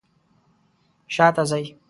شاته ځئ